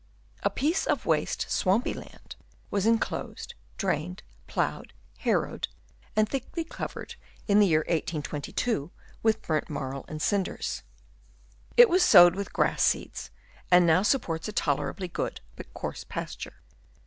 A piece of waste, swampy land was enclosed, drained, ploughed, harrowed and thickly covered in the year 1822 with burnt marl and cinders. It was sowed with grass seeds, and now supports a tolerably good but coarse pasture.